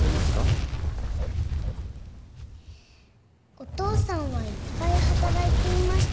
お父さんはいっぱい働いていました。